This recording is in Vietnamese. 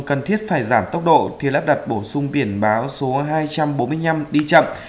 cần thiết phải giảm tốc độ thì lắp đặt bổ sung biển báo số hai trăm bốn mươi năm đi chậm